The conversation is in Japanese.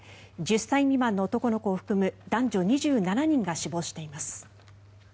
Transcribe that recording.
１０歳未満の男の子を含む男女２７人が死亡しています。